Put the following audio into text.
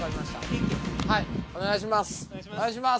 お願いします